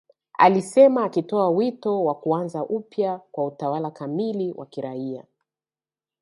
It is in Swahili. alisema akitoa wito wa kuanza upya kwa utawala kamili wa kiraia”